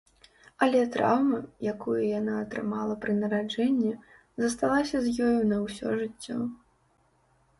Але траўма, якую яна атрымала пры нараджэнні, засталася з ёю на ўсё жыццё.